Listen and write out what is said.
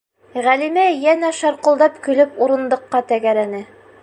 - Ғәлимә йәнә шарҡылдап көлөп урындыҡҡа тәгәрәне.